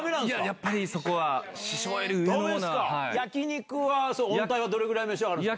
やっぱり、焼き肉は、御大はどれくらい召し上がるんですか。